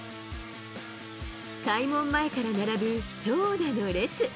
開門前から並ぶ長蛇の列。